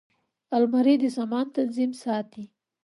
الماري د سامان تنظیم ساتي